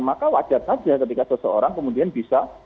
maka wajar saja ketika seseorang kemudian bisa